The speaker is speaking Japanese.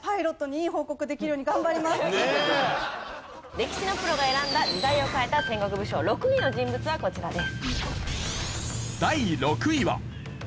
歴史のプロが選んだ時代を変えた戦国武将６位の人物はこちらです。